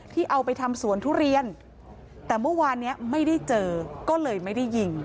ที่เอาไปทำสวนทุเรียนแต่เมื่อวานนี้ไม่ได้เจอก็เลยไม่ได้ยิง